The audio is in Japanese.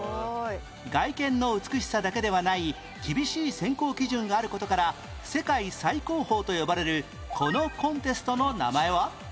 外見の美しさだけではない厳しい選考基準がある事から世界最高峰と呼ばれるこのコンテストの名前は？